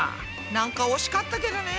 なんか惜しかったけどね。